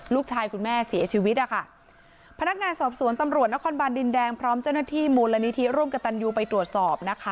คุณแม่เสียชีวิตนะคะพนักงานสอบสวนตำรวจนครบานดินแดงพร้อมเจ้าหน้าที่มูลนิธิร่วมกับตันยูไปตรวจสอบนะคะ